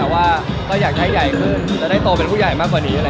แต่ว่าเราอยากให้ใหญ่ขึ้นและให้โตเป็นผู้ใหญ่มากกว่านี้นะคะ